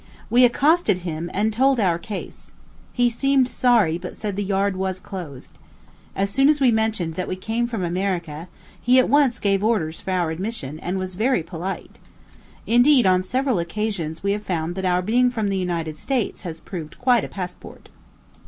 We accosted him, and told our case. He seemed sorry, but said the yard was closed. As soon as we mentioned that we came from America, he at once gave orders for our admission, and was very polite. Indeed, on several occasions we have found that our being from the United States has proved quite a passport.